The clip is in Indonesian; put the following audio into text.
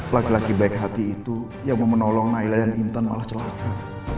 laki laki baik hati itu yang mau menolong naila dan intan malah celaka